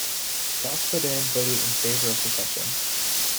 South Sudan voted in favour of secession.